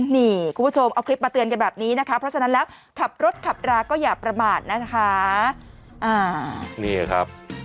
นี่คุณผู้ชมเอาคลิปมาเตือนกันแบบนี้นะคะเพราะฉะนั้นแล้วขับรถขับราก็อย่าประมาทนะคะอ่านี่ครับ